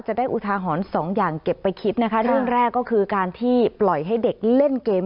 อุทาหรณ์สองอย่างเก็บไปคิดนะคะเรื่องแรกก็คือการที่ปล่อยให้เด็กเล่นเกม